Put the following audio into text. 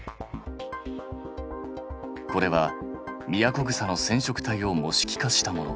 これはミヤコグサの染色体を模式化したもの。